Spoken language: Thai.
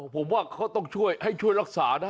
ผมว่าเขาต้องช่วยให้ช่วยรักษานะ